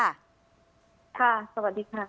สวัสดีค่ะ